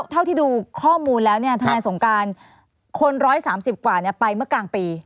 เท่าที่ดูข้อมูลแล้วเนี่ยทนายสงการคน๑๓๐กว่าไปเมื่อกลางปี